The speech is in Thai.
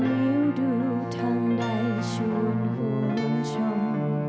ริวดูทางใดชูนหวงชม